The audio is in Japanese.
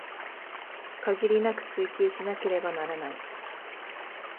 限りなく追求しなければならない